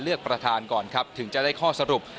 เลือกประธานก่อนครับถึงจะได้ข้อสรุป